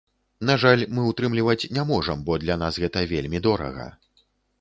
На жаль, мы ўтрымліваць не можам, бо для нас гэта вельмі дорага.